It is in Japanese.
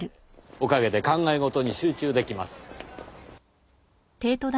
おかげで考え事に集中出来ます。